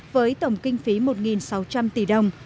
với tổng kinh phí một sáu trăm linh tỷ đồng